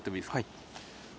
はい。